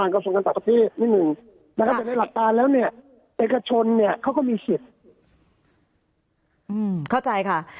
คนเขาก็มีชิด